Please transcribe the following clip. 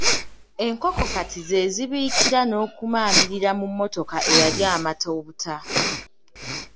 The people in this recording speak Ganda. Enkoko kati ze zibiikira n'okumaamirira mu mmotoka eyali amata obuta.